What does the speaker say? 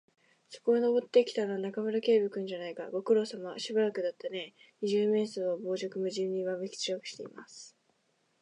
そこへ登ってきたのは、中村警部君じゃないか。ご苦労さま。しばらくだったねえ。二十面相は傍若無人にわめきちらしています。